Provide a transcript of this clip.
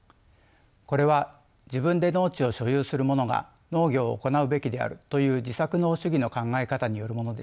これは自分で農地を所有する者が農業を行うべきであるという自作農主義の考え方によるものでした。